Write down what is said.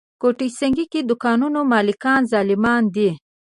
ګوته سنګي کې دوکانونو مالکان ظالمان دي.